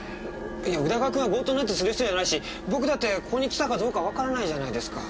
宇田川君は強盗なんてする人じゃないし僕だってここに来たかどうかわからないじゃないですか。